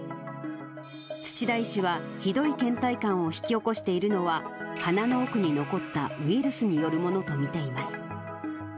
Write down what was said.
土田医師はひどいけん怠感を引き起こしているのは、鼻の奥に残ったウイルスによるものと見ています。